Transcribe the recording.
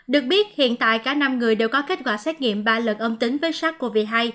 được biết hiện tại cả năm người đều có kết quả xét nghiệm ba lần âm tính với sars cov hai